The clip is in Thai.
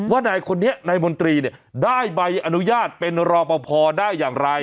ว่านายคนนี้นายมนตรีเนี่ยได้ใบอนุญาตเป็นรอปภได้อย่างไร